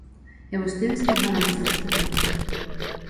E vostedes ¿que fan ante esta situación?